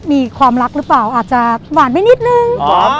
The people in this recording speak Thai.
มีความรักหรือเปล่าอาจจะหวานไปนิดนึง